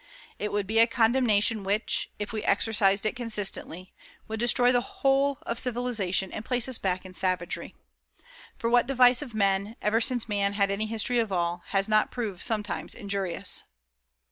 It would be a condemnation which, if we exercised it consistently, would destroy the whole of civilization and place us back in savagery. For what device of man, ever since man had any history at all, has not proved sometimes injurious?